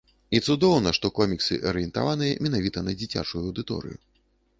І цудоўна, што коміксы арыентаваныя менавіта на дзіцячую аўдыторыю.